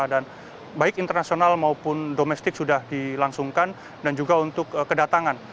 dan baik internasional maupun domestik sudah dilangsungkan dan juga untuk kedatangan